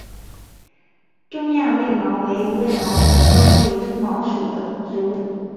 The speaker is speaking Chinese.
中亚卫矛为卫矛科卫矛属的植物。